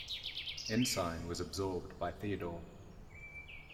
Ensign was absorbed by Theodore.